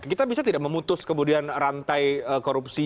kita bisa tidak memutus kemudian rantai korupsi